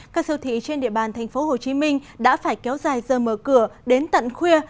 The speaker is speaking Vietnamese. các siêu thị trên địa bàn tp hcm đã phải kéo dài giờ mở cửa đến tận khuya